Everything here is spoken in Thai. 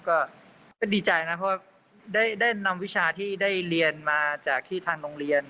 ก็ดีใจนะเพราะว่าได้นำวิชาที่ได้เรียนมาจากที่ทางโรงเรียน